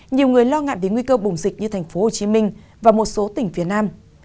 nhiều người lo ngạn đến nguy cơ bùng dịch như tp hcm và một số tỉnh việt nam